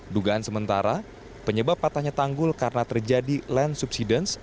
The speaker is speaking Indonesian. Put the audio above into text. dugaan sementara penyebab patahnya tanggul karena terjadi land subsidence